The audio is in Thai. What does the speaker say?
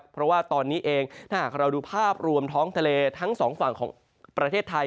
เพราะว่าตอนนี้เองถ้าหากเราดูภาพรวมท้องทะเลทั้งสองฝั่งของประเทศไทย